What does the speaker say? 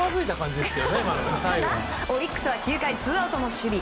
オリックスは９回ツーアウトの守備。